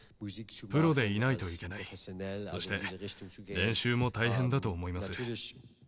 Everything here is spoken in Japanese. プロでいないといけないそして練習も大変だと思います。